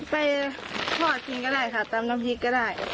ไปทอดกินก็ได้ค่ะตำน้ำพริกก็ได้